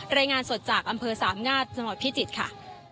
รายงานสดจากอสามงาสมพิจิตรค่ะ